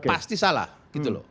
pasti salah gitu loh